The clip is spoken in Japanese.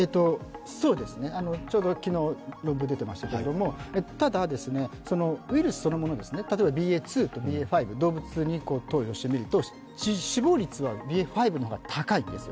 ちょうど昨日、論文が出ていましたけれども、ただ、ウイルスそのもの、例えばＢＡ．２とＢＡ．５を動物に投与してみると、死亡率はＢＡ．５の方が高いんです。